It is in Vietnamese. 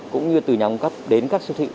cũng như từ nhà ông cấp đến các siêu thị